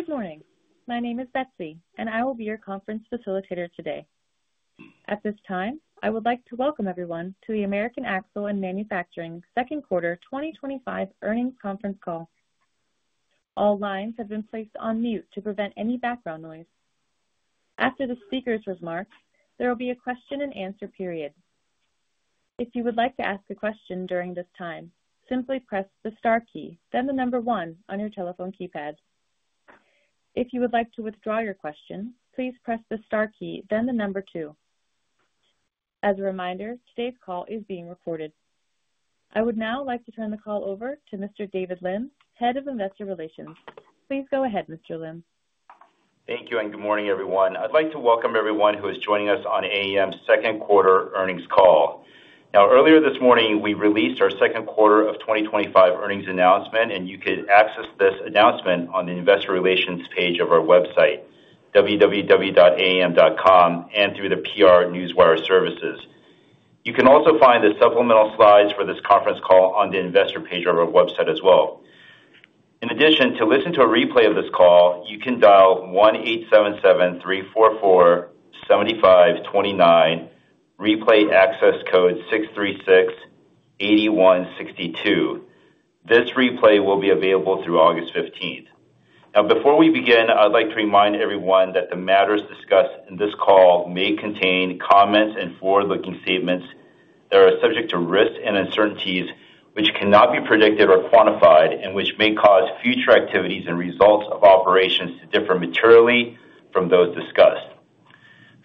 Good morning. My name is Betsy, and I will be your conference facilitator today. At this time, I would like to welcome everyone to the American Axle & Manufacturing Second Quarter 2025 Earnings Conference Call. All lines have been placed on mute to prevent any background noise. After the speakers' remarks, there will be a question and answer period. If you would like to ask a question during this time, simply press the star key, then the number one on your telephone keypad. If you would like to withdraw your question, please press the star key, then the number two. As a reminder, today's call is being recorded. I would now like to turn the call over to Mr. David Lim, Head of Investor Relations. Please go ahead, Mr. Lim. Thank you, and good morning, everyone. I'd like to welcome everyone who is joining us on AAM's Second Quarter Earnings Call. Earlier this morning, we released our Second Quarter 2025 Earnings Announcement, and you can access this announcement on the investor relations page of our website, www.aam.com, and through the PR Newswire services. You can also find the supplemental slides for this conference call on the investor page of our website as well. In addition, to listen to a replay of this call, you can dial 1-877-344-7529, replay access code 636-8162. This replay will be available through August 15. Before we begin, I'd like to remind everyone that the matters discussed in this call may contain comments and forward-looking statements that are subject to risks and uncertainties which cannot be predicted or quantified, and which may cause future activities and results of operations to differ materially from those discussed.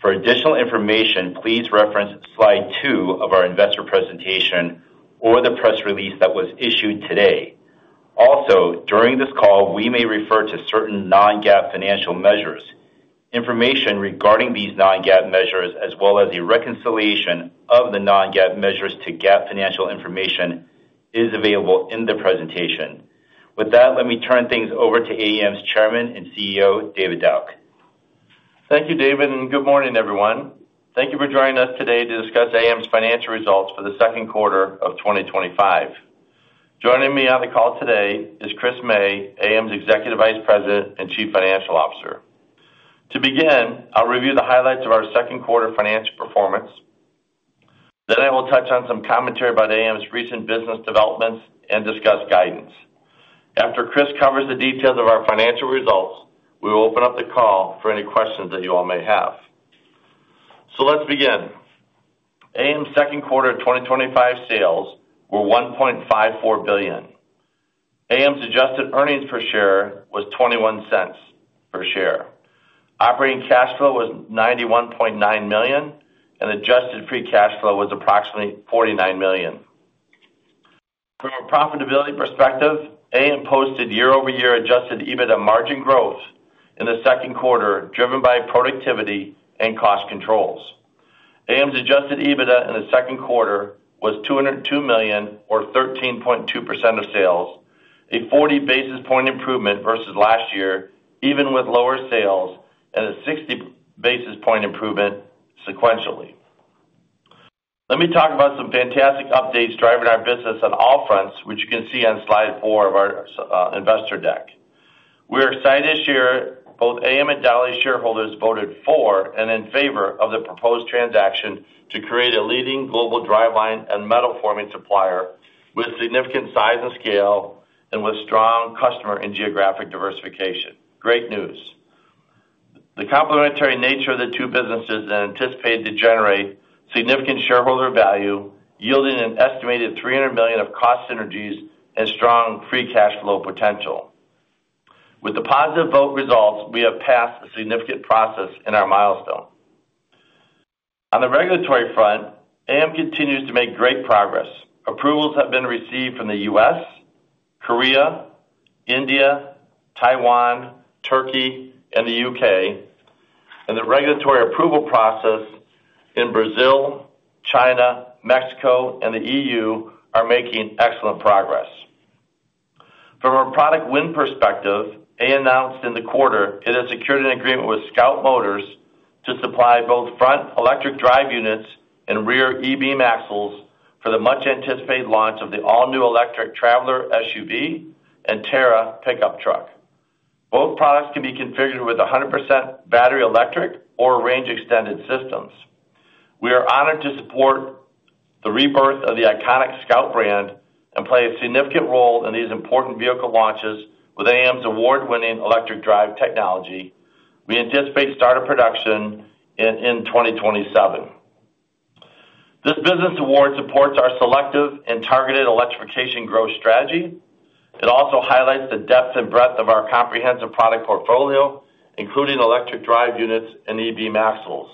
For additional information, please reference slide two of our investor presentation or the press release that was issued today. Also, during this call, we may refer to certain non-GAAP financial measures. Information regarding these non-GAAP measures, as well as a reconciliation of the non-GAAP measures to GAAP financial information, is available in the presentation. With that, let me turn things over to AAM's Chairman and CEO, David Dauch. Thank you, David, and good morning, everyone. Thank you for joining us today to discuss AAM's Financial Results for the second quarter of 2025. Joining me on the call today is Chris May, AAM's Executive Vice President and Chief Financial Officer. To begin, I'll review the highlights of our second quarter financial performance. I will touch on some commentary about AAM's recent business developments and discuss guidance. After Chris covers the details of our financial results, we will open up the call for any questions that you all may have. Let's begin. AAM's second quarter of 2025 sales were $1.54 billion. AAM's adjusted earnings per share was $0.21 per share. Operating cash flow was $91.9 million, and adjusted free cash flow was approximately $49 million. From perspective, AAM posted year-over-year adjusted EBITDA margin growth in the second quarter, driven by productivity and cost controls. AAM's adjusted EBITDA in the second quarter was $202 million, or 13.2% of sales, a 40 basis point improvement versus last year, even with lower sales, and a 60 basis point improvement sequentially. Let me talk about some fantastic updates driving our business on all fronts, which you can see on slide four of our investor deck. We are excited to share both AAM and Dowlais shareholders voted for and in favor of the proposed transaction to create a leading global driveline and metal forming supplier with significant size and scale, and with strong customer and geographic diversification. Great news. The complementary nature of the two businesses is anticipated to generate significant shareholder value, yielding an estimated $300 million of cost synergies and strong free cash flow potential. With the positive vote results, we have passed a significant process in our milestone. On a regulatory front, AAM continues to make great progress. Approvals have been received from the U.S., Korea, India, Taiwan, Turkey, and the U.K., and the regulatory approval process in Brazil, China, Mexico, and the EU are making excellent progress. From a perspective, AAM announced in the quarter it has secured an agreement with Scout Motors to supply both front electric drive units and rear e-beam axles for the much-anticipated launch of the all-new electric Traveler SUV and Terra pickup. Both products can be configured with 100% battery electric or range extended systems. We are honored to support the rebirth of the iconic Scout brand and play a significant role in these important vehicle launches with AAM's award-winning electric drive technology. We anticipate starting production in 2027. This business award supports our selective and targeted electrification growth strategy. It also highlights the depth and breadth of our comprehensive product portfolio, including electric drive units and EV axles.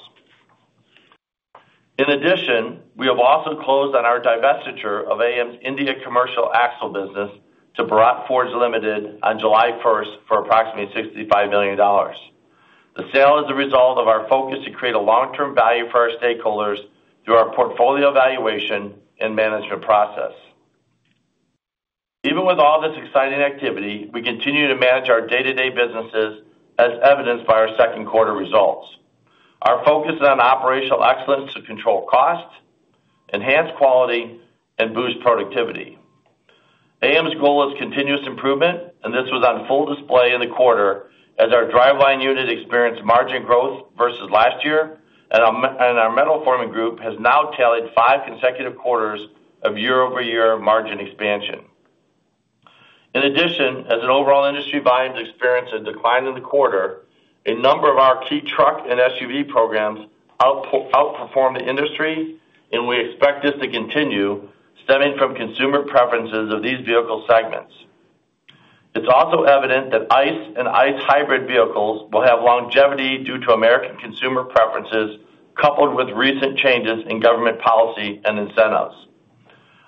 In addition, we have also closed on our divestiture of AAM's India commercial axle business to Bharat Forge Limited on July 1 for approximately $65 million. The sale is a result of our focus to create long-term value for our stakeholders through our portfolio evaluation and management process. Even with all this exciting activity, we continue to manage our day-to-day businesses as evidenced by our second quarter results. Our focus is on operational excellence to control costs, enhance quality, and boost productivity. AAM's goal is continuous improvement, and this was on full display in the quarter as our driveline unit experienced margin growth versus last year, and our metal forming group has now tallied five consecutive quarters of year-over-year margin expansion. In addition, as the overall industry buying experience had declined in the quarter, a number of our key truck and SUV programs outperformed the industry, and we expect this to continue stemming from consumer preferences of these vehicle segments. It's also evident that ICE and ICE hybrid vehicles will have longevity due to American consumer preferences coupled with recent changes in government policy and incentives.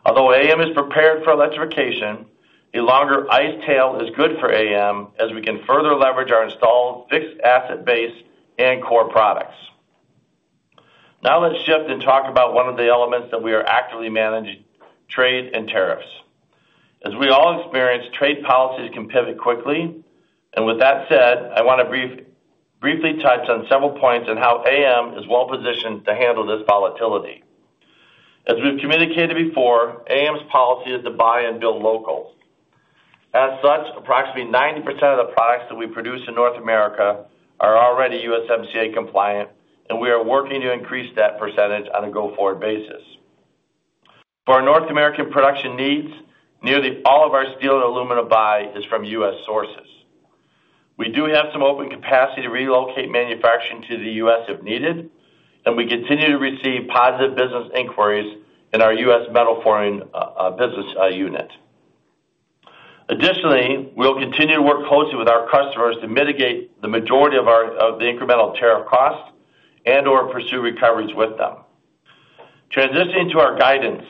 Although AAM is prepared for electrification, a longer ICE tail is good for AAM as we can further leverage our installed fixed asset base and core products. Now let's shift and talk about one of the elements that we are actively managing: trade and tariffs. As we all experience, trade policies can pivot quickly, and with that said, I want to briefly touch on several points on how AAM is well-positioned to handle this volatility. As we've communicated before, AAM's policy is to buy and build local. As such, approximately 90% of the products that we produce in North America are already USMCA compliant, and we are working to increase that percentage on a go-forward basis. For our North American production needs, nearly all of our steel and aluminum buy is from U.S. sources. We do have some open capacity to relocate manufacturing to the U.S. if needed, and we continue to receive positive business inquiries in our U.S. metal forming business unit. Additionally, we'll continue to work closely with our customers to mitigate the majority of the incremental tariff costs and/or pursue recoveries with them. Transitioning to our guidance,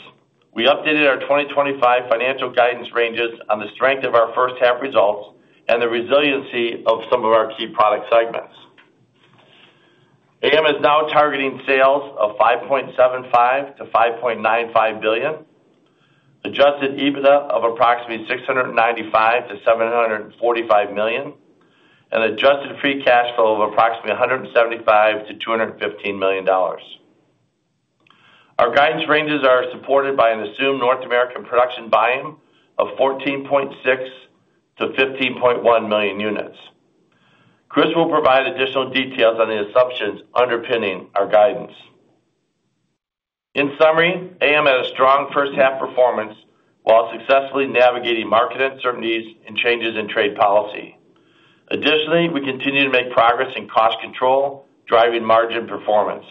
we updated our 2025 financial guidance ranges on the strength of our first half results and the resiliency of some of our segments. AAM is now targeting sales of $5.75 billion-$5.95 billion, adjusted EBITDA of approximately $695 million-$745 million, and adjusted free cash flow of approximately $175 million-$215 million. Our guidance ranges are supported by an assumed North American production volume of 14.6 million-15.1 million units. Chris will provide additional details on the assumptions underpinning our summary, AAM had a strong first half performance while successfully navigating market uncertainties and changes in trade policy. Additionally, we continue to make progress in cost control, driving margin performance.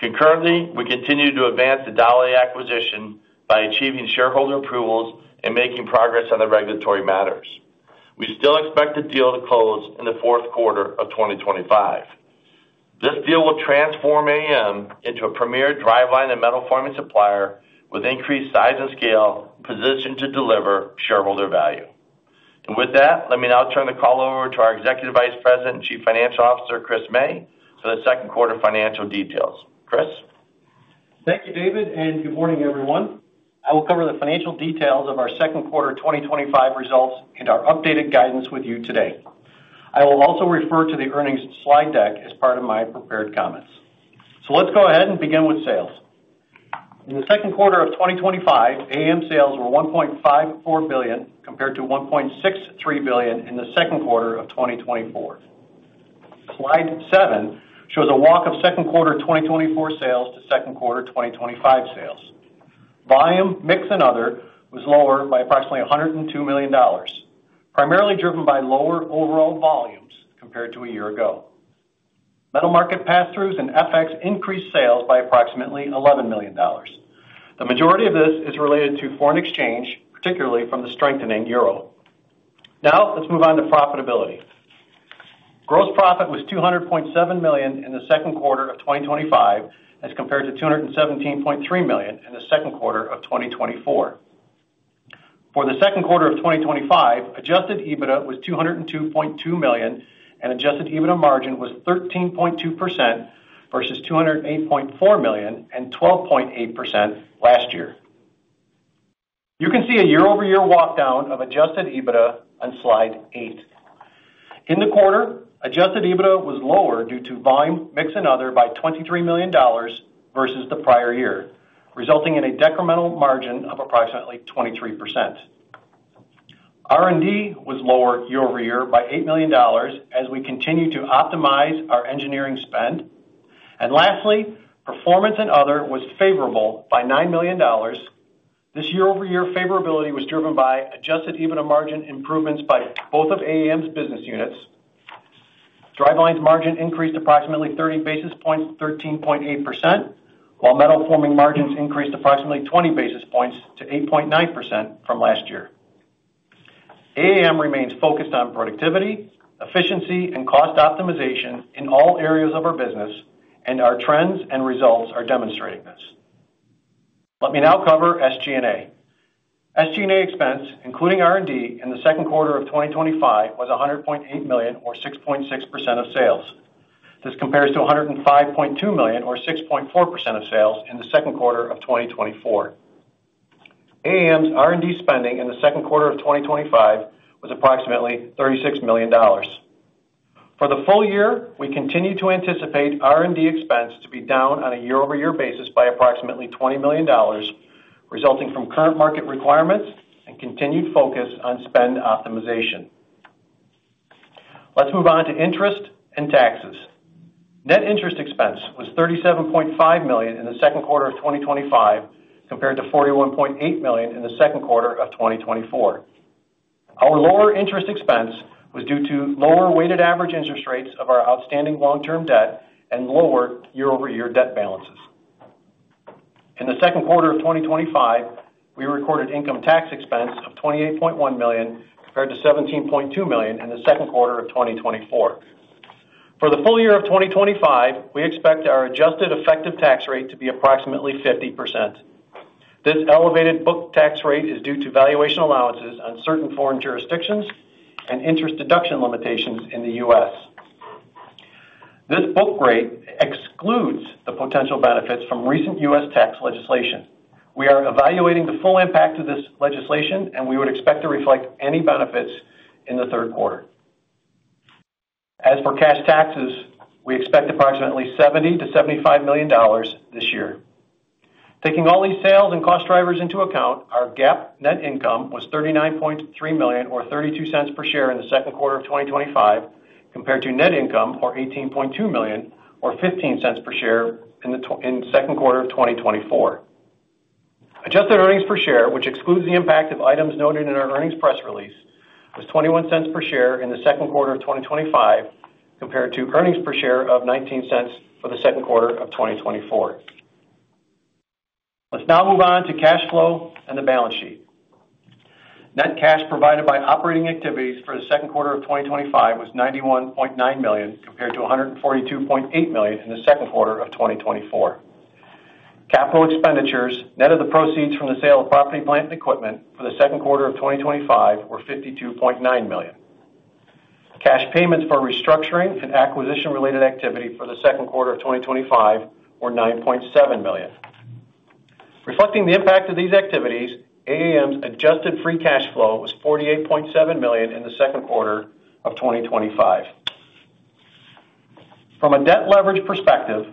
Concurrently, we continue to advance the Dowlais acquisition by achieving shareholder approvals and making progress on the regulatory matters. We still expect the deal to close in the fourth quarter of 2025. This deal with transforming into a premier driveline and metal forming supplier with increased size and scale, positioned to deliver shareholder value. With that, let me now turn the call over to our Executive Vice President and Chief Financial Officer, Chris May, for the second quarter financial details. Chris? Thank you, David, and good morning, everyone. I'll cover the financial details of our second quarter 2025 results and our updated guidance with you today. I will also refer to the earnings slide deck as part of my prepared comments. Let's go ahead and begin with sales. In the second 2025, AAM sales were $1.54 billion compared to $1.63 billion in the second quarter of 2024. Slide seven shows a walk of second quarter 2024 sales to second quarter 2025 sales. Volume mix and other was lower by approximately $102 million, primarily driven by lower overall volumes compared to a year ago. Metal market pass-throughs and FX increased sales by approximately $11 million. The majority of this is related to foreign exchange, particularly from the strengthening euro. Now let's move on to profitability. Gross profit was $200.7 million in the second quarter of 2025 as compared to $217.3 million in the second quarter of 2024. For the second quarter of 2025, adjusted EBITDA was $202.2 million and adjusted EBITDA margin was 13.2% versus $208.4 million and 12.8% last year. You can see a year-over-year walkdown of adjusted EBITDA on slide eight. In the quarter, adjusted EBITDA was lower due to volume mix and other by $23 million versus the prior year, resulting in a decremental margin of approximately 23%. R&D was lower year-over-year by $8 million as we continue to optimize our engineering spend. Lastly, performance and other was favorable by $9 million. This year-over-year favorability was driven by adjusted EBITDA margin improvements by AAM's business units. Driveline margin increased approximately 30 basis points to 13.8%, while metal forming margins increased approximately 20 basis points to 8.9% year. AAM remains focused on productivity, efficiency, and cost optimization in all areas of our business, and our trends and results are demonstrating this. Let me now cover SG&A. SG&A expense, including R&D in the second quarter of 2025, was $100.8 million or 6.6% of sales. This compares to $105.2 million or 6.4% of sales in the second quarter of 2024. AAM's R&D spending in the second quarter of 2025 was approximately $36 million. For the full year, we continue to anticipate R&D expense to be down on a year-over-year basis by approximately $20 million, resulting from current market requirements and continued focus on spend optimization. Let's move on to interest and taxes. Net interest expense was $37.5 million in the second quarter of 2025 compared to $41.8 million in the second quarter of 2024. Our lower interest expense was due to lower weighted average interest rates of our outstanding long-term debt and lower year-over-year debt balances. In the second quarter of 2025, we recorded income tax expense of $28.1 million compared to $17.2 million in the second quarter of 2024. For the full year of 2025, we expect our adjusted effective tax rate to be approximately 50%. This elevated book tax rate is due to valuation allowances on certain foreign jurisdictions and interest deduction limitations in the U.S. This book rate excludes the potential benefits from recent U.S. tax legislation. We are evaluating the full impact of this legislation, and we would expect to reflect any benefits in the third quarter. As for cash taxes, we expect approximately $70 million-$75 million this year. Taking all these sales and cost drivers into account, our GAAP net income was $39.3 million or $0.32 per share in the second quarter of 2025 compared to net income of $18.2 million or $0.15 per share in the second quarter of 2024. Adjusted earnings per share, which excludes the impact of items noted in our earnings press release, was $0.21 per share in the second quarter of 2025 compared to earnings per share of $0.19 for the second quarter of 2024. Let's now move on to cash flow and the balance sheet. Net cash provided by operating activities for the second quarter of 2025 was $91.9 million compared to $142.8 million in the second quarter of 2024. Capital expenditures, net of the proceeds from the sale of property, plant and equipment for the second quarter of 2025, were $52.9 million. Cash payments for restructuring and acquisition-related activity for the second quarter of 2025 were $9.7 million. Reflecting the impact of these activities, AAM's adjusted free cash flow was $48.7 million in the second quarter of 2025. From a debt leverage perspective,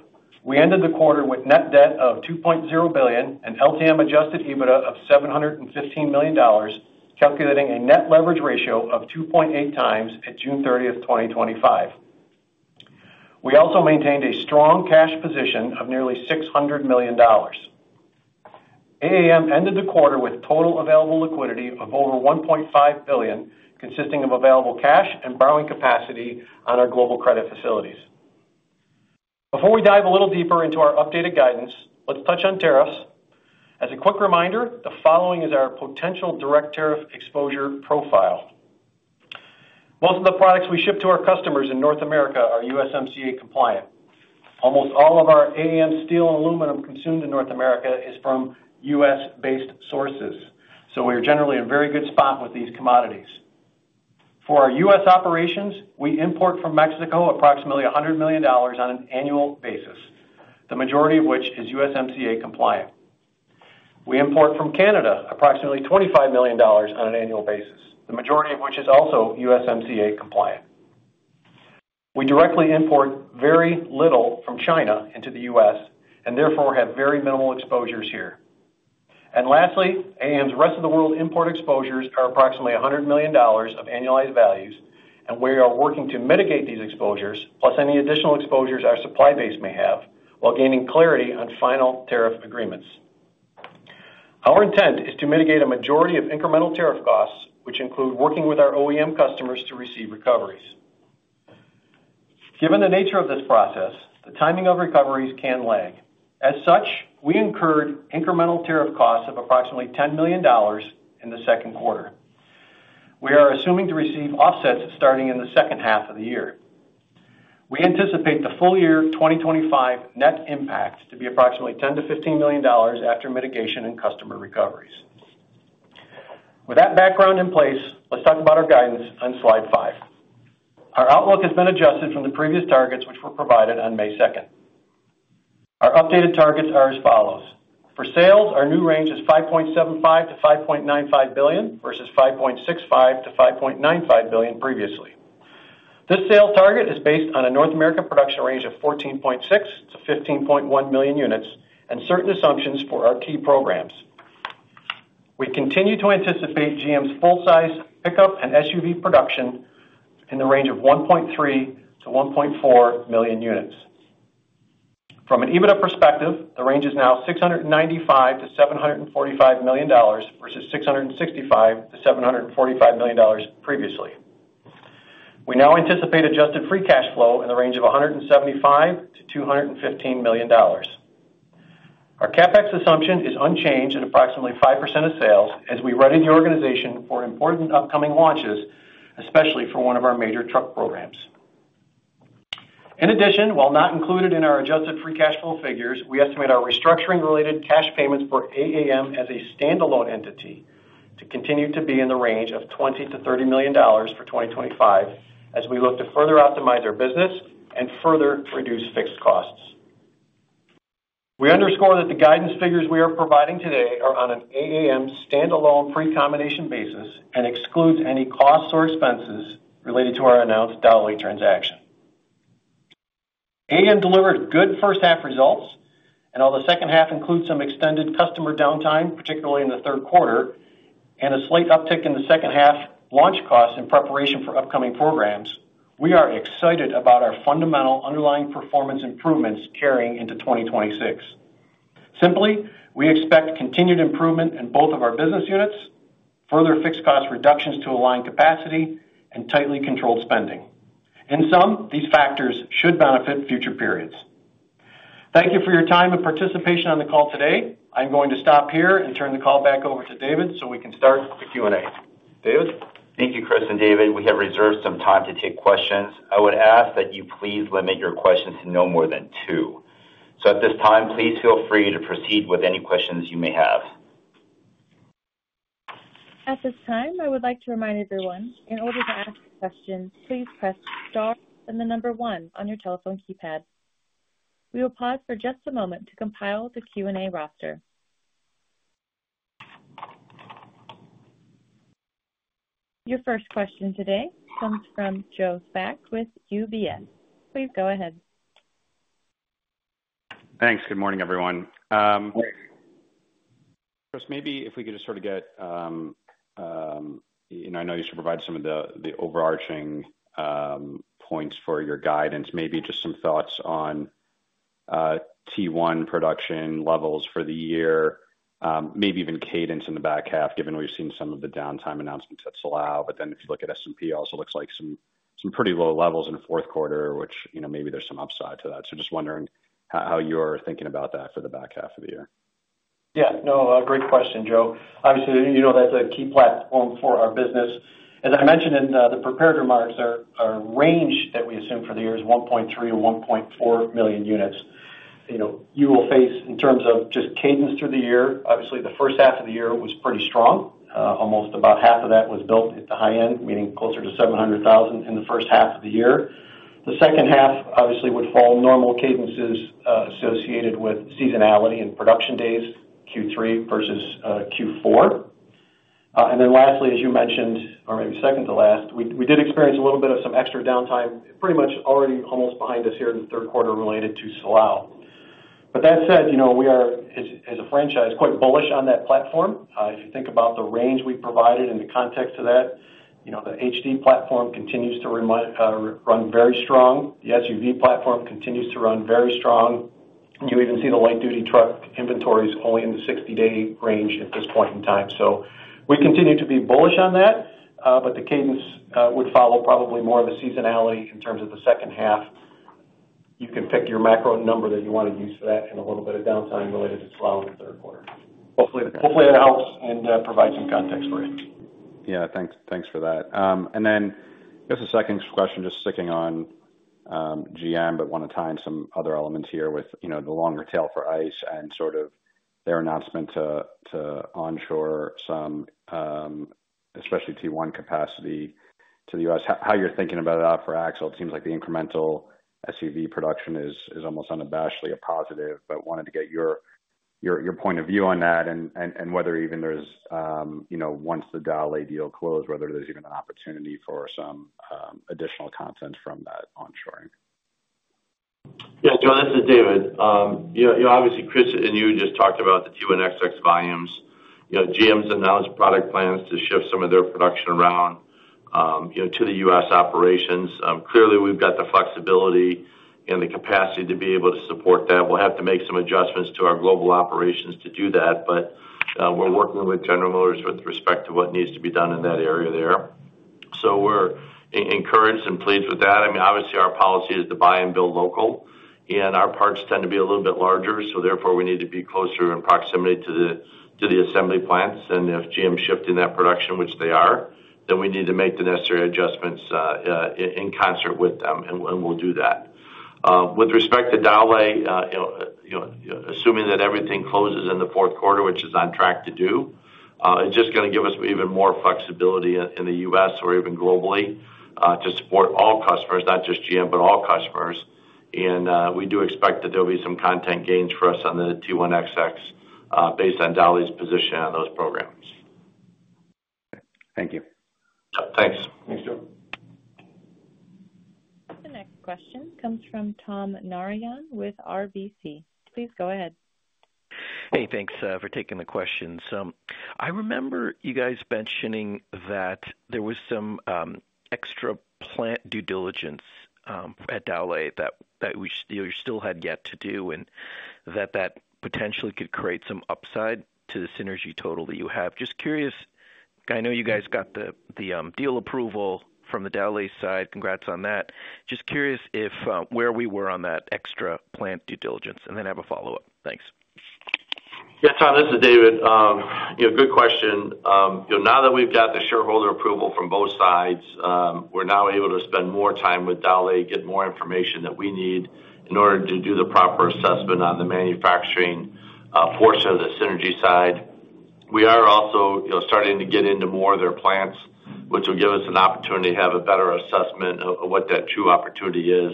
we ended the quarter with net debt of $2.0 billion and LTM adjusted EBITDA of $715 million, calculating a net leverage ratio of 2.8 times at June 30, 2025. We also maintained a strong cash position of nearly $600 million. AAM ended the quarter with total available liquidity of over $1.5 billion, consisting of available cash and borrowing capacity on our global credit facilities. Before we dive a little deeper into our updated guidance, let's touch on tariffs. As a quick reminder, the following is our potential direct tariff exposure profile. Most of the products we ship to our customers in North America are USMCA compliant. Almost all of our AAM steel and aluminum consumed in North America is from U.S.-based sources, so we are generally in a very good spot with these commodities. For our U.S. operations, we import from Mexico approximately $100 million on an annual basis, the majority of which is USMCA compliant. We import from Canada approximately $25 million on an annual basis, the majority of which is also USMCA compliant. We directly import very little from China into the U.S. and therefore have very minimal exposures here. Lastly, AAM's rest of the world import exposures are approximately $100 million of annualized values, and we are working to mitigate these exposures, plus any additional exposures our supply base may have, while gaining clarity on final tariff agreements. Our intent is to mitigate a majority of incremental tariff costs, which include working with our OEM customers to receive recoveries. Given the nature of this process, the timing of recoveries can lag. As such, we incurred incremental tariff costs of approximately $10 million in the second quarter. We are assuming to receive offsets starting in the second half of the year. We anticipate the full year 2025 net impact to be approximately $10 million-$15 million after mitigation and customer recoveries. With that background in place, let's talk about our guidance on slide five. Our outlook has been adjusted from the previous targets, which were provided on May 2nd. Our updated targets are as follows. For sales, our new range is $5.75 million-$5.95 billion versus $5.65 billion-$5.95 billion previously. This sales target is based on a North America production range of 14.6 million-15.1 million units and certain assumptions for our key programs. We continue to anticipate GM's full-size pickup and SUV production in the range of 1.3 million-1.4 million units. From an EBITDA perspective, the range is now $695 million-$745 million versus $665 million-$745 million previously. We now anticipate adjusted free cash flow in the range of $175 million-$215 million. Our CapEx assumption is unchanged at approximately 5% of sales as we ready the organization for important upcoming launches, especially for one of our major truck programs. In addition, while not included in our adjusted free cash flow figures, we estimate our restructuring-related cash payments for AAM as a standalone entity to continue to be in the range of $20 million-$30 million for 2025 as we look to further optimize our business and further reduce fixed costs. We underscore that the guidance figures we are providing today are on an AAM standalone pre-combination basis and exclude any costs or expenses related to our announced Dowlais transaction. AAM delivered good first half results, and although the second half includes some extended customer downtime, particularly in the third quarter, and a slight uptick in the second half launch costs in preparation for upcoming programs, we are excited about our fundamental underlying performance improvements carrying into 2026. Simply, we expect continued improvement in both of our business units, further fixed cost reductions to align capacity, and tightly controlled spending. In sum, these factors should benefit future periods. Thank you for your time and participation on the call today. I'm going to stop here and turn the call back over to David so we can start the Q&A. David? Thank you, Chris and David. We have reserved some time to take questions. I would ask that you please limit your questions to no more than two. At this time, please feel free to proceed with any questions you may have. At this time, I would like to remind everyone, in order to ask a question, please press star and the number one on your telephone keypad. We will pause for just a moment to compile the Q&A roster. Your first question today comes from Joe Spak with UBS. Please go ahead. Thanks. Good morning, everyone. Chris, maybe if we could just sort of get, you know, I know you should provide some of the overarching points for your guidance, maybe just some thoughts on T1 production levels for the year, maybe even cadence in the back half, given we've seen some of the downtime announcements that's allowed. If you look at S&P, it also looks like some pretty low levels in the fourth quarter, which, you know, maybe there's some upside to that. Just wondering how you're thinking about that for the back half of the year. Yeah, no, great question, Joe. Obviously, you know, that's a key platform for our business. As I mentioned in the prepared remarks, our range that we assume for the year is 1.3 million-1.4 million units. You know, you will face in terms of just cadence through the year, obviously the first half of the year was pretty strong. Almost about half of that was built at the high end, meaning closer to 700,000 in the first half of the year. The second half obviously would follow normal cadences associated with seasonality and production days, Q3 versus Q4. Lastly, as you mentioned, or maybe second to last, we did experience a little bit of some extra downtime, pretty much already almost behind us here in the third quarter related to sellout. That said, you know, we are, as a franchise, quite bullish on that platform. If you think about the range we provided in the context of that, you know, the HD platform continues to run very strong. The SUV platform continues to run very strong. You even see the light duty truck inventories only in the 60-day range at this point in time. We continue to be bullish on that, but the cadence would follow probably more of the seasonality in terms of the second half. You can pick your macro number that you want to use for that and a little bit of downtime related to sellout in the third quarter. Hopefully, that helps and provides some context for it. Yeah, thanks for that. I guess the second question, just sticking on GM, but want to tie in some other elements here with the longer tail for ICE and sort of their announcement to onshore some, especially T1 capacity to the U.S. How you're thinking about that for Axle. It seems like the incremental SUV production is almost unabashedly a positive, but wanted to get your point of view on that and whether even there's, you know, once the Dowlais deal closed, whether there's even an opportunity for some additional content from that onshoring. Yeah, John, this is David. Yeah, obviously, Chris and you just talked about the T1XX volumes. You know, GM's announced product plans to shift some of their production around, you know, to the U.S. operations. Clearly, we've got the flexibility and the capacity to be able to support that. We'll have to make some adjustments to our global operations to do that, but we're working with General Motors with respect to what needs to be done in that area there. We're encouraged and pleased with that. I mean, obviously, our policy is to buy and build local, and our parts tend to be a little bit larger, so therefore, we need to be closer in proximity to the assembly plants. If GM shifted that production, which they are, then we need to make the necessary adjustments in concert with them, and we'll do that. With respect to Dowlais, assuming that everything closes in the fourth quarter, which is on track to do, it's just going to give us even more flexibility in the U.S. or even globally to support all customers, not just GM, but all customers. We do expect that there'll be some content gains for us on the T1XX based on Dowlais' position on those programs. Thank you. Thanks. The next question comes from Tom Narayan with RBC. Please go ahead. Hey, thanks for taking the question. I remember you guys mentioning that there was some extra plant due diligence at Dowlais that we still had yet to do and that potentially could create some upside to the synergy total that you have. Just curious, I know you guys got the deal approval from the Dowlais side. Congrats on that. Just curious where we were on that extra plant due diligence and then have a follow-up. Thanks. Yeah, Tom, this is David. Good question. Now that we've got the shareholder approval from both sides, we're now able to spend more time with Dowlais, get more information that we need in order to do the proper assessment on the manufacturing portion of the synergy side. We are also starting to get into more of their plants, which will give us an opportunity to have a better assessment of what that true opportunity is.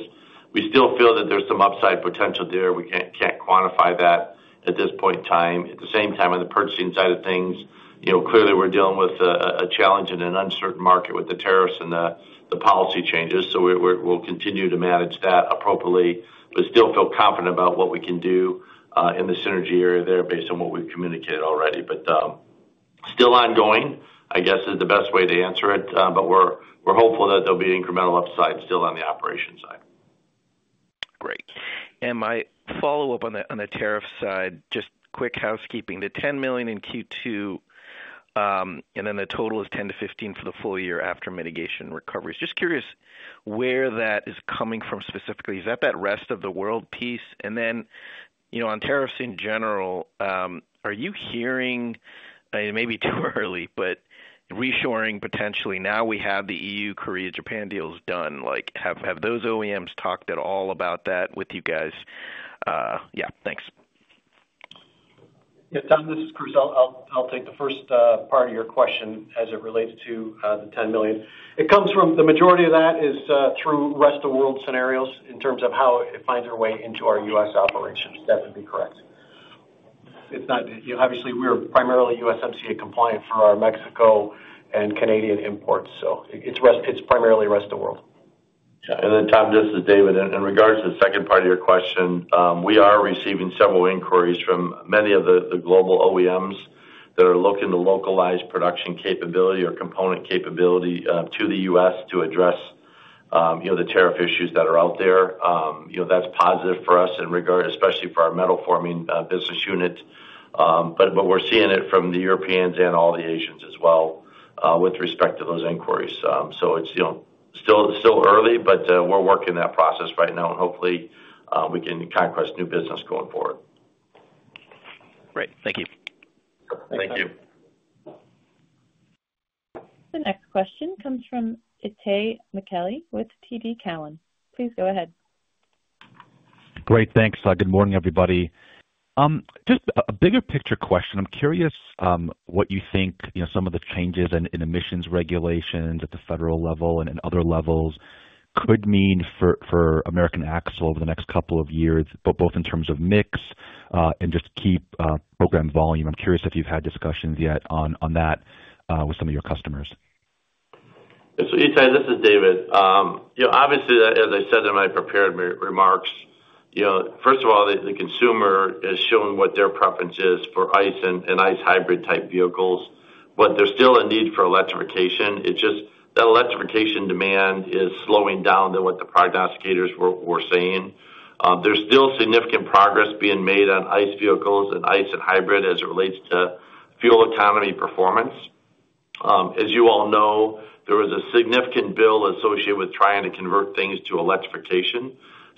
We still feel that there's some upside potential there. We can't quantify that at this point in time. At the same time, on the purchasing side of things, clearly we're dealing with a challenge in an uncertain market with the tariffs and the policy changes. We'll continue to manage that appropriately, but still feel confident about what we can do in the synergy area there based on what we've communicated already. It is still ongoing, I guess, is the best way to answer it. We're hopeful that there'll be incremental upside still on the operation side. Great. My follow-up on the tariff side, just quick housekeeping. The $10 million in Q2 and then the total is $10 million-$15 million for the full year after mitigation recoveries. Just curious where that is coming from specifically. Is that that rest of the world piece? On tariffs in general, are you hearing, maybe too early, but reshoring potentially now we have the EU, Korea, Japan deals done? Have those OEMs talked at all about that with you guys? Yeah, thanks. Yeah, Tom, this is Chris. I'll take the first part of your question as it relates to the $10 million. It comes from the majority of that is through rest of the world scenarios in terms of how it finds your way into our U.S. operations. That would be correct. It's not, obviously, we're primarily USMCA compliant for our Mexico and Canadian imports. It's primarily rest of the world. Yeah, and then Tom, this is David. In regards to the second part of your question, we are receiving several inquiries from many of the global OEMs that are looking to localize production capability or component capability to the U.S. to address, you know, the tariff issues that are out there. That's positive for us, especially for our metal forming business unit. We're seeing it from the Europeans and all the Asians as well with respect to those inquiries. It's still early, but we're working in that process right now and hopefully we can conquest new business going forward. Great, thank you. Thank you. The next question comes from Itay Michaeli with TD Cowen. Please go ahead. Great, thanks. Good morning, everybody. Just a bigger picture question. I'm curious what you think, you know, some of the changes in emissions regulations at the federal level and other levels could AAM over the next couple of years, both in terms of mix and just key program volume. I'm curious if you've had discussions yet on that with some of your customers. Itay, this is David. As I said in my prepared remarks, first of all, the consumer has shown what their preference is for ICE and ICE hybrid type vehicles, but there's still a need for electrification. It's just that electrification demand is slowing down compared to what the prognosticators were saying. There's still significant progress being made on ICE vehicles and ICE and hybrid as it relates to fuel economy performance. As you all know, there was a significant bill associated with trying to convert things to electrification.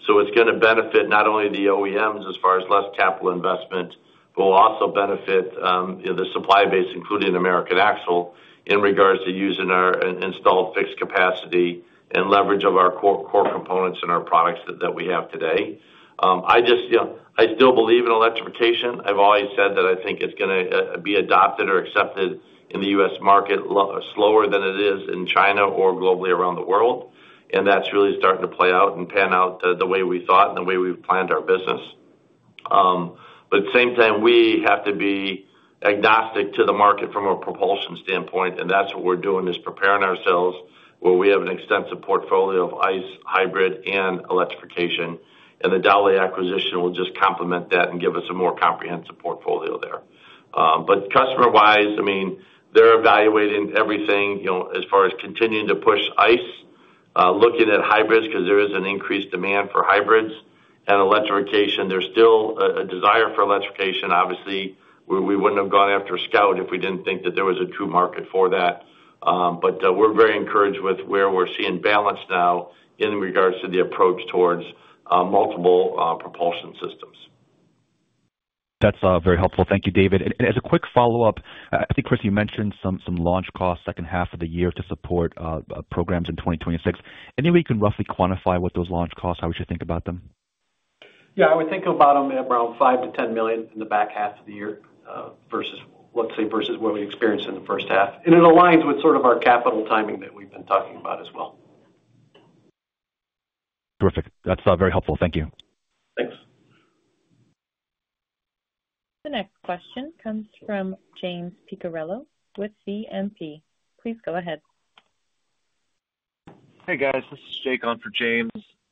It's going to benefit not only the OEMs as far as less capital investment, but will also benefit the supply including American Axle, in regards to using our installed fixed capacity and leverage of our core components and our products that we have today. I still believe in electrification. I've always said that I think it's going to be adopted or accepted in the U.S. market slower than it is in China or globally around the world. That's really starting to play out and pan out the way we thought and the way we've planned our business. At the same time, we have to be agnostic to the market from a propulsion standpoint. That's what we're doing, preparing ourselves where we have an extensive portfolio of ICE, hybrid, and electrification. The Dowlais acquisition will just complement that and give us a more comprehensive portfolio there. Customer-wise, they're evaluating everything as far as continuing to push ICE, looking at hybrids because there is an increased demand for hybrids and electrification. There's still a desire for electrification. Obviously, we wouldn't have gone after Scout if we didn't think that there was a true market for that. We're very encouraged with where we're seeing balance now in regards to the approach towards multiple propulsion systems. That's very helpful. Thank you, David. As a quick follow-up, I think Chris, you mentioned some launch costs second half of the year to support programs in 2026. Any way you can roughly quantify what those launch costs, how we should think about them? Yeah, I would think about them at around $5 million-$10 million in the back half of the year versus, let's say, versus what we experienced in the first half. It aligns with sort of our capital timing that we've been talking about as well. Terrific. That's very helpful. Thank you. The next question comes from James Picariello with BNP. Please go ahead. Hey guys, this is Jake on for James.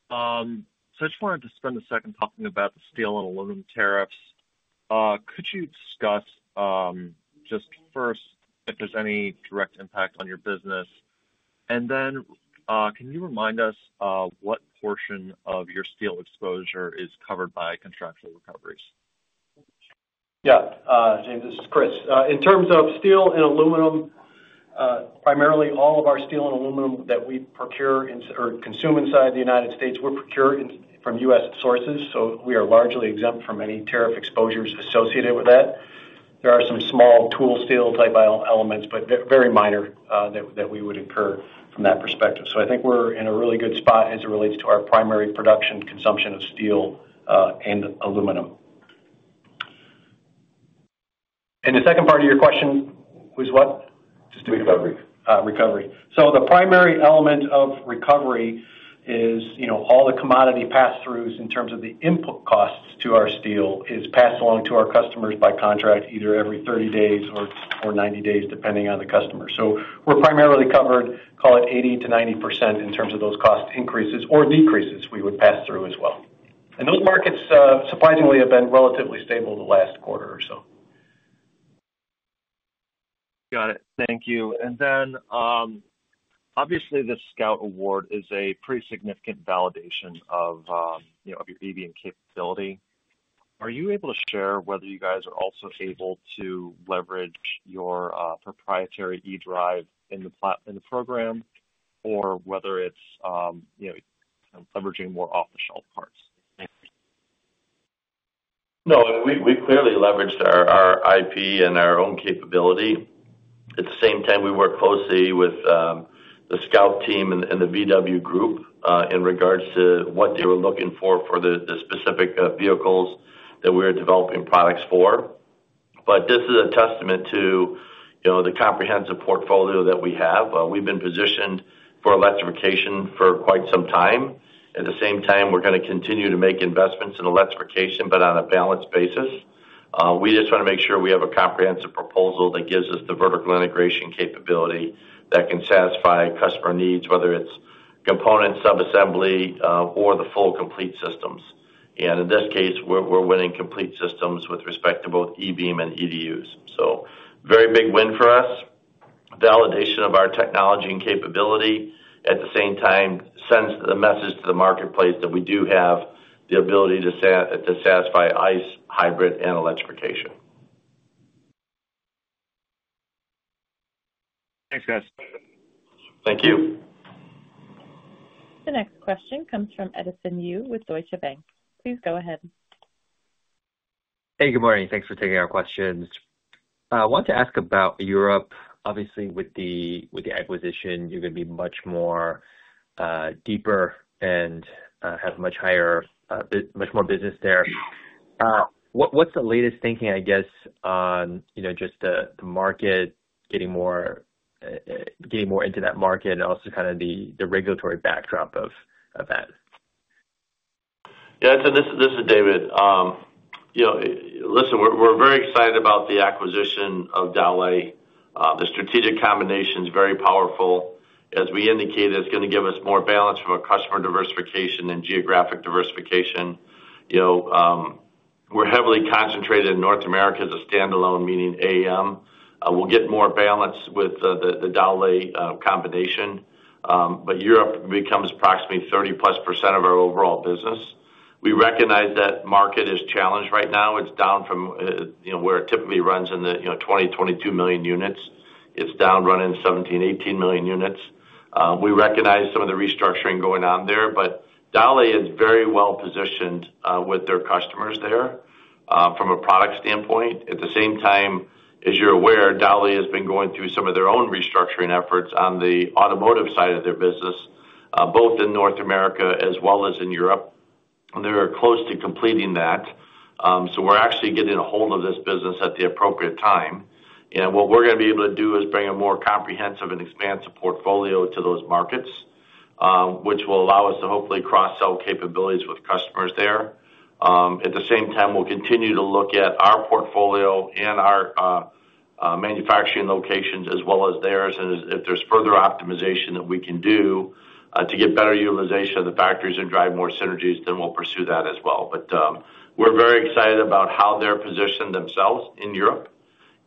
I just wanted to spend a second talking about the steel and aluminum tariffs. Could you discuss just first if there's any direct impact on your business? Could you remind us what portion of your steel exposure is covered by contractual recoveries? Yeah, James, this is Chris. In terms of steel and aluminum, primarily all of our steel and aluminum that we procure or consume inside the United States, we're procured from U.S. sources. We are largely exempt from any tariff exposures associated with that. There are some small tool steel type elements, but they're very minor that we would incur from that perspective. I think we're in a really good spot as it relates to our primary production consumption of steel and aluminum. The second part of your question was what? Just doing recovery. Recovery. The primary element of recovery is, you know, all the commodity pass-throughs in terms of the input costs to our steel are passed along to our customers by contract either every 30 days or 90 days, depending on the customer. We're primarily covered, call it 80%-90% in terms of those cost increases or decreases we would pass through as well. Those markets surprisingly have been relatively stable the last quarter or so. Got it. Thank you. The Scout award is a pretty significant validation of your EV and capability. Are you able to share whether you guys are also able to leverage your proprietary eDrive in the program, or whether it's leveraging more off-the-shelf parts? No, I mean, we've clearly leveraged our IP and our own capability. At the same time, we work closely with the Scout team and the VW Group in regards to what they were looking for for the specific vehicles that we are developing products for. This is a testament to the comprehensive portfolio that we have. We've been positioned for electrification for quite some time. At the same time, we're going to continue to make investments in electrification, but on a balanced basis. We just want to make sure we have a comprehensive proposal that gives us the vertical integration capability that can satisfy customer needs, whether it's components, subassembly, or the full complete systems. In this case, we're winning complete systems with respect to both e-beam axles and EDUs. Very big win for us. Validation of our technology and capability at the same time sends the message to the marketplace that we do have the ability to satisfy ICE, hybrid, and electrification. Thanks, guys. Thank you. The next question comes from Edison Yu with Deutsche Bank. Please go ahead. Hey, good morning. Thanks for taking our questions. I want to ask about Europe. Obviously, with the acquisition, you're going to be much deeper and have a much higher, much more business there. What's the latest thinking, I guess, on, you know, just the market, getting more into that market and also kind of the regulatory backdrop of that? Yeah, and this is David. You know, listen, we're very excited about the acquisition of Dowlais. The strategic combination is very powerful. As we indicated, it's going to give us more balance from our customer diversification and geographic diversification. You know, we're heavily concentrated in North America as a standalone, meaning AAM. We'll get more balance with the Dowlais combination. Europe becomes approximately 30%+ of our overall business. We recognize that market is challenged right now. It's down from where it typically runs in the, you know, 20, 22 million units. It's down running 17, 18 million units. We recognize some of the restructuring going on there, but Dowlais is very well positioned with their customers there from a product standpoint. At the same time, as you're aware, Dowlais has been going through some of their own restructuring efforts on the automotive side of their business, both in North America as well as in Europe. They're close to completing that. We're actually getting a hold of this business at the appropriate time. What we're going to be able to do is bring a more comprehensive and expansive portfolio to those markets, which will allow us to hopefully cross-sell capabilities with customers there. At the same time, we'll continue to look at our portfolio and our manufacturing locations as well as theirs. If there's further optimization that we can do to get better utilization of the factories and drive more synergies, then we'll pursue that as well. We're very excited about how they've positioned themselves in Europe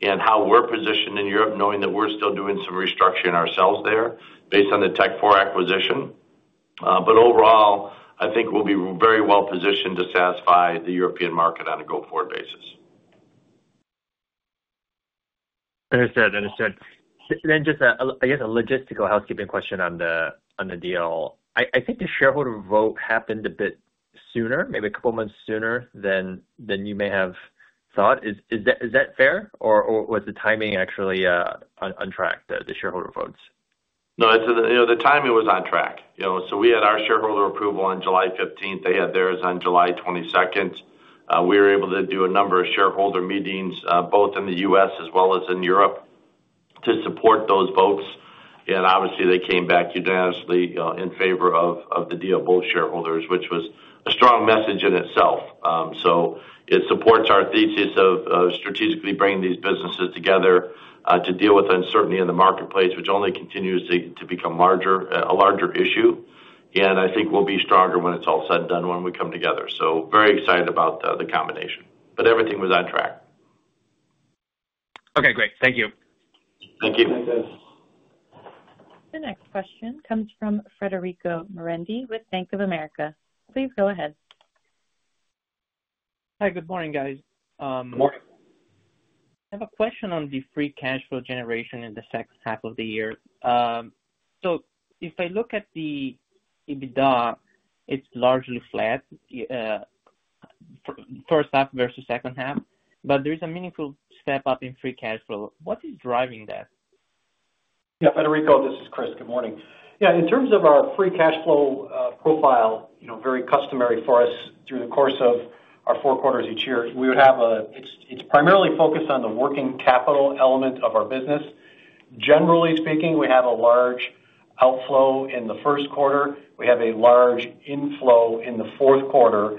and how we're positioned in Europe, knowing that we're still doing some restructuring ourselves there based on the Tekfor acquisition. Overall, I think we'll be very well positioned to satisfy the European market on a go-forward basis. Understood. I guess a logistical housekeeping question on the deal. I think the shareholder vote happened a bit sooner, maybe a couple of months sooner than you may have thought. Is that fair or was the timing actually on track, the shareholder votes? No, the timing was on track. We had our shareholder approval on July 15th. They had theirs on July 22nd. We were able to do a number of shareholder meetings, both in the U.S. as well as in Europe, to support those votes. Obviously, they came back unanimously in favor of the deal, both shareholders, which was a strong message in itself. It supports our thesis of strategically bringing these businesses together to deal with uncertainty in the marketplace, which only continues to become a larger issue. I think we'll be stronger when it's all said and done when we come together. Very excited about the combination. Everything was on track. Okay, great. Thank you. Thank you. The next question comes from Federico Morandi with Bank of America. Please go ahead. Hi, good morning, guys. Good morning. I have a question on the free cash flow generation in the second half of the year. If I look at the EBITDA, it's largely flat, first half versus second half, but there is a meaningful step up in free cash flow. What is driving that? Yeah, Federico, this is Chris. Good morning. In terms of our free cash flow profile, you know, very customary for us through the course of our four quarters each year, we would have a, it's primarily focused on the working capital element of our business. Generally speaking, we have a large outflow in the first quarter. We have a large inflow in the fourth quarter,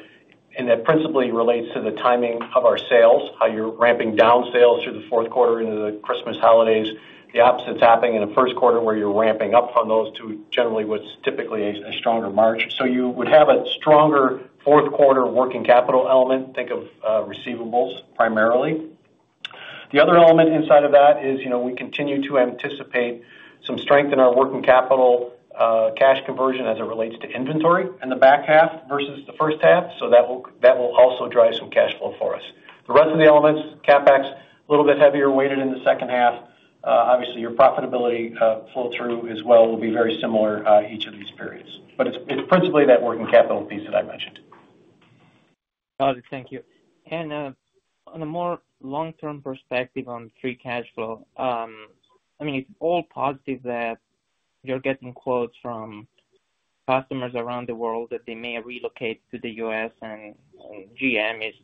and that principally relates to the timing of our sales, how you're ramping down sales through the fourth quarter into the Christmas holidays, the opposite's happening in the first quarter where you're ramping up from those to generally what's typically a stronger margin. You would have a stronger fourth quarter working capital element. Think of receivables primarily. The other element inside of that is, you know, we continue to anticipate some strength in our working capital cash conversion as it relates to inventory in the back half versus the first half. That will also drive some cash flow for us. The rest of the elements, CapEx, a little bit heavier weighted in the second half. Obviously, your profitability flow through as well will be very similar each of these periods. It's principally that working capital piece that I mentioned. Got it. Thank you. On a more long-term perspective on free cash flow, it's all positive that you're getting quotes from customers around the world that they may relocate to the U.S., and GM is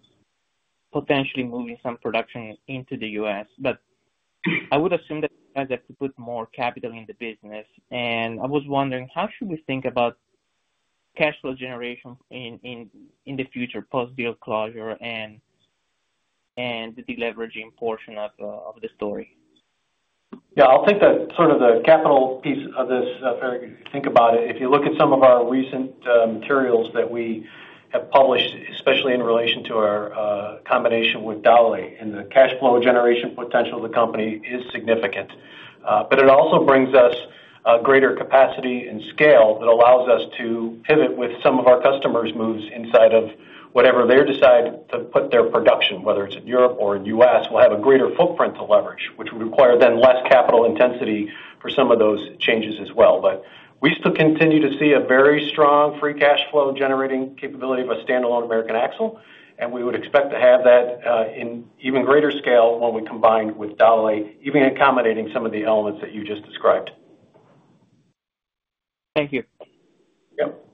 potentially moving some production into the U.S. I would assume that you guys have to put more capital in the business. I was wondering, how should we think about cash flow generation in the future, post-deal closure and the deleveraging portion of the story? Yeah, I'll take that sort of the capital piece of this, Frederico, think about it. If you look at some of our recent materials that we have published, especially in relation to our combination with Dowlais, and the cash flow generation potential of the company is significant. It also brings us greater capacity and scale that allows us to pivot with some of our customers' moves inside of whatever they decide to put their production, whether it's in Europe or in the U.S., we'll have a greater footprint to leverage, which would require then less capital intensity for some of those changes as well. We still continue to see a very strong free cash flow generating capability of standalone American Axle, and we would expect to have that in even greater scale when we combine with Dowlais, even accommodating some of the elements that you just described. Thank you. Yep.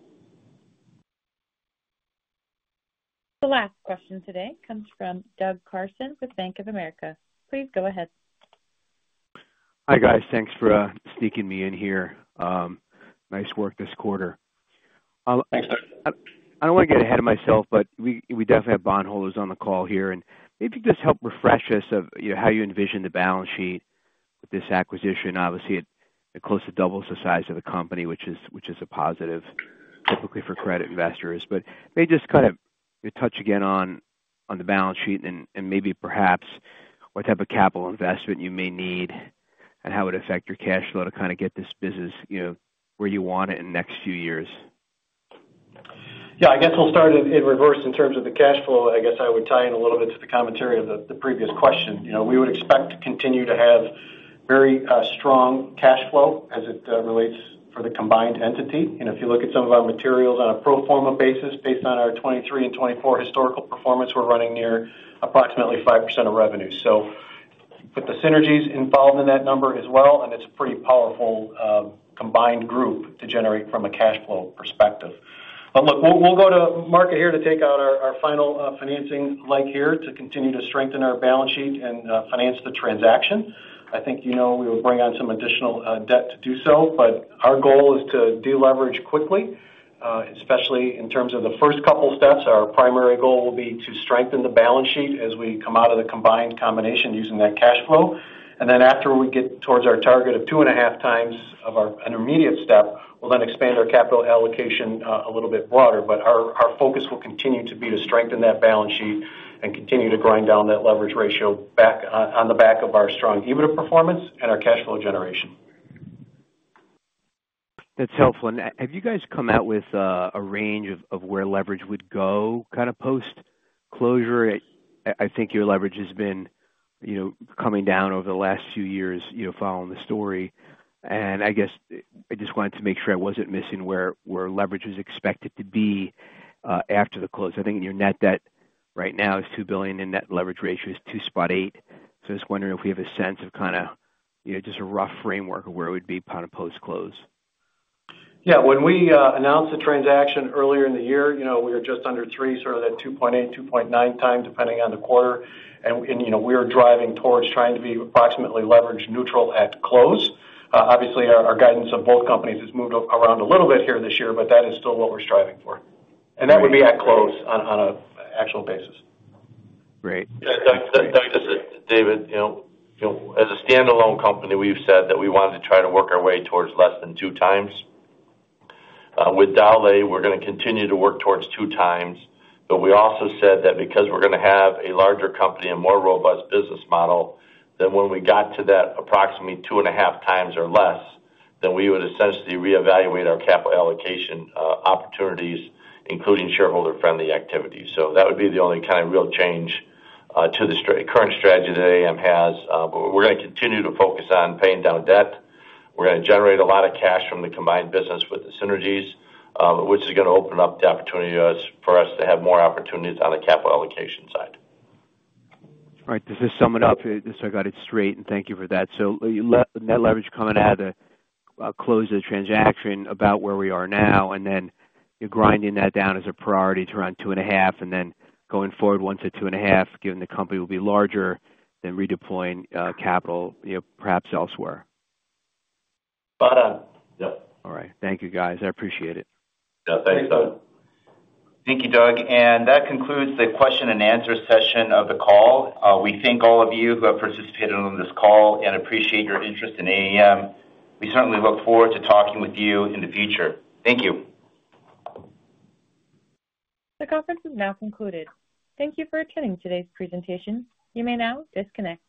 The last question today comes from Doug Karson with Bank of America. Please go ahead. Hi guys, thanks for sneaking me in here. Nice work this quarter. I don't want to get ahead of myself, but we definitely have bondholders on the call here, and maybe you could just help refresh us of how you envision the balance sheet. This acquisition, obviously, it close to doubles the size of the company, which is a positive typically for credit investors. Maybe just kind of touch again on the balance sheet and maybe perhaps what type of capital investment you may need and how it would affect your cash flow to kind of get this business, you know, where you want it in the next few years. Yeah, I guess we'll start in reverse in terms of the cash flow. I guess I would tie in a little bit to the commentary of the previous question. You know, we would expect to continue to have very strong cash flow as it relates for the combined entity. If you look at some of our materials on a pro forma basis, based on our 2023 and 2024 historical performance, we're running near approximately 5% of revenue. You put the synergies involved in that number as well, and it's a pretty powerful combined group to generate from a cash flow perspective. We'll go to market here to take out our final financing here to continue to strengthen our balance sheet and finance the transaction. I think, you know, we would bring on some additional debt to do so, but our goal is to deleverage quickly, especially in terms of the first couple steps. Our primary goal will be to strengthen the balance sheet as we come out of the combined combination using that cash flow. After we get towards our target of 2.5x of our intermediate step, we'll then expand our capital allocation a little bit broader. Our focus will continue to be to strengthen that balance sheet and continue to grind down that leverage ratio back on the back of our strong EBITDA performance and our cash flow generation. That's helpful. Have you guys come out with a range of where leverage would go post-closure? I think your leverage has been coming down over the last few years, following the story. I just wanted to make sure I wasn't missing where leverage is expected to be after the close. I think your net debt right now is $2 billion and net leverage ratio is 2.8. I was wondering if we have a sense of just a rough framework of where it would be upon a post-close. Yeah, when we announced the transaction earlier in the year, we were just under three, sort of that 2.8, 2.9x, depending on the quarter. We're driving towards trying to be approximately leverage neutral at close. Obviously, our guidance of both companies has moved around a little bit this year, but that is still what we're striving for. That would be at close on an actual basis. Great. David, you know, as a standalone company, we've said that we wanted to try to work our way towards less than two times. With Dowlais, we're going to continue to work towards two times, but we also said that because we're going to have a larger company and more robust business model, when we got to that approximately 2.5x or less, we would essentially reevaluate our capital allocation opportunities, including shareholder-friendly activities. That would be the only kind of real change to the current strategy that AAM has. We're going to continue to focus on paying down debt. We're going to generate a lot of cash from the combined business with the synergies, which is going to open up the opportunity for us to have more opportunities on the capital allocation side. Right. This is summing up so I got it straight, and thank you for that. Net leverage coming out of the close of the transaction about where we are now, and then you're grinding that down as a priority to around 2.5, and going forward once at 2.5 given the company will be larger, then redeploying capital, you know, perhaps elsewhere. Spot on. Yeah. All right. Thank you, guys. I appreciate it. Yeah, thanks, Doug. Thank you, Doug. That concludes the question and answer session of the call. We thank all of you who have participated on this call and appreciate in AAM. we certainly look forward to talking with you in the future. Thank you. The conference is now concluded. Thank you for attending today's presentation. You may now disconnect.